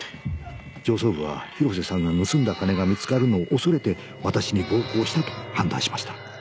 上層部は広瀬さんが盗んだ金が見つかるのを恐れて私に暴行したと判断しました。